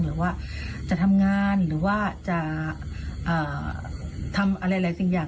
หรือว่าจะทำงานหรือว่าจะทำอะไรหลายสิ่งอย่าง